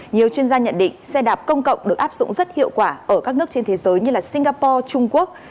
nhiều chuyên gia nhận định xe đạp công cộng được áp dụng rất hiệu quả ở các nước trên thế giới như singapore trung quốc